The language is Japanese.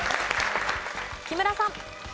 木村さん。